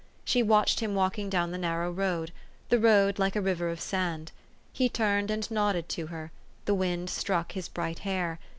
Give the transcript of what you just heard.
She watched him walking down the naiTow road, the road like a "river of sand." He turned, and nodded to her : the wind struck his bright hair.